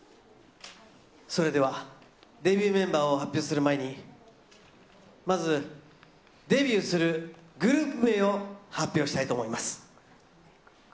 それではデビューメンバーを発表する前に、まず、デビューするグループ名を発表したいと思います。